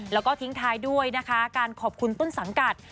แล้วก็ทิ้งท้ายด้วยนะคะการขอบคุณต้นสังกัด